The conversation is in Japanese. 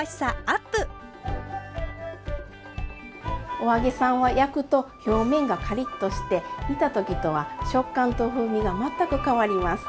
お揚げさんは焼くと表面がカリッとして煮た時とは食感と風味が全く変わります。